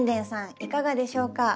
いかがでしょうか？